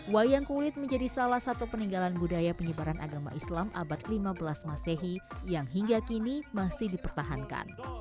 wayang kulit menjadi salah satu peninggalan budaya penyebaran agama islam abad lima belas masehi yang hingga kini masih dipertahankan